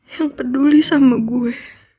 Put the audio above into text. yang peduli sama gue